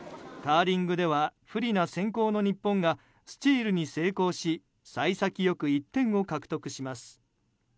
カーリングでは不利な先攻の日本がスチールに成功し幸先よく１点を獲得します。